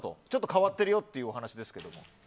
ちょっと変わっているよっていうお話ですけど。